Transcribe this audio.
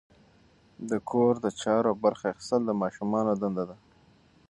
د کور د چارو برخه اخیستل د ماشومانو دنده ده.